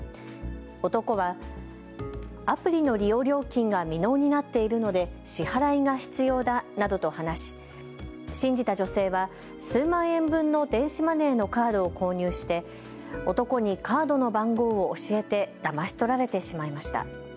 男はアプリの利用料金が未納になっているので支払いが必要だなどと話し信じた女性は数万円分の電子マネーのカードを購入して男にカードの番号を教えてだまし取られてしまいました。